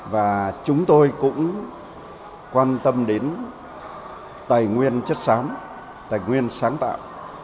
và chúng tôi cũng quan tâm đến tài nguyên chất xám tài nguyên sáng tạo